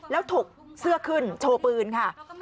แล้วถกเสื้อขึ้นโชว์ปืนค่ะ